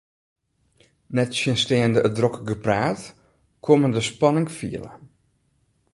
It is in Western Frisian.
Nettsjinsteande it drokke gepraat koe men de spanning fiele.